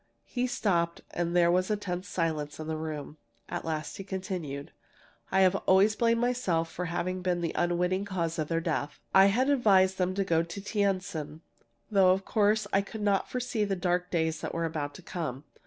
He stopped, and there was a tense silence in the room. At last he continued: "I have always blamed myself for having been the unwitting cause of their death. I had advised them to go to Tientsin, though of course I could not foresee the dark days that were about to come.